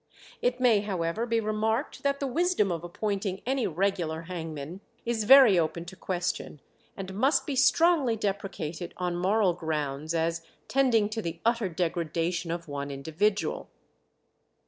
It may, however, be remarked that the wisdom of appointing any regular hangman is very open to question, and must be strongly deprecated on moral grounds, as tending to the utter degradation of one individual.